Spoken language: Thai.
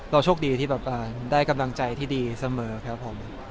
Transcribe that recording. เราโชคดีที่แบบได้กำลังใจที่ดีเสมอ